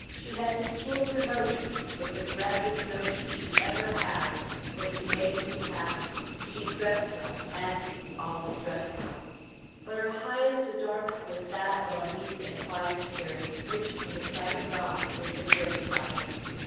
She had peculiar notions, but the grandest notion she ever had was to make you happy. She dressed well Auntie always dressed well; but her highest adornment was that of a meek and quiet spirit, which, in the sight of God, is of great price.